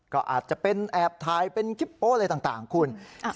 ก็อาจจะเป็นแอบถ่ายเป็นคลิปโป๊อะไรต่างคุณ